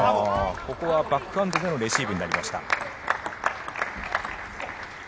ここはバックハンドでのレシーブになりました。